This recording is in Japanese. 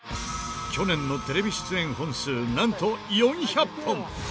去年のテレビ出演本数なんと４００本！